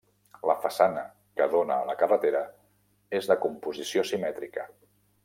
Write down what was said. La façana que dóna a la carretera és de composició simètrica.